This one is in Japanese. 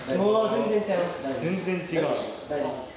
全然違う？